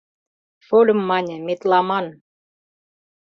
Шольым мане: «Метламан».